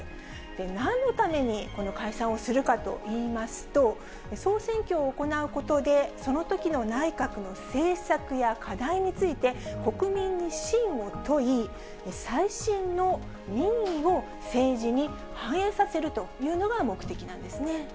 なんのためにこの解散をするかといいますと、総選挙を行うことで、そのときの内閣の政策や課題について、国民に信を問い、最新の民意を政治に反映させるというのが目的なんですね。